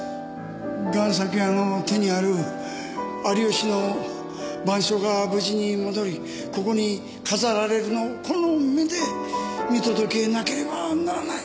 贋作家の手にある有吉の『晩鐘』が無事に戻りここに飾られるのをこの目で見届けなければならない。